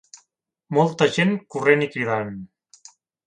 Molta gent corrent i cridant.